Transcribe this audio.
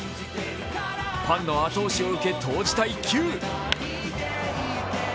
ファンの後押しを受け、投じた１球。